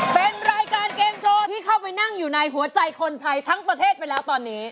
เป็นรายการเกมโชว์ที่เข้าไปนั่งอยู่ในหัวใจคนไทยทั้งประเทศไปแล้วตอนนี้